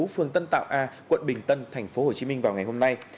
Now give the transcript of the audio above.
phường tân tạo a quận bình tân tp hcm vào ngày hôm nay